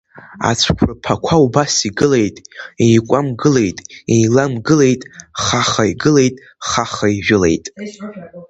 Ацәқәырԥақәа убас игылеит, еикәамгылеит, еиламгылеит, Хаха игылеит, хаха ижәылеит…